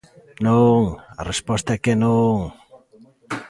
Non, a resposta é que non.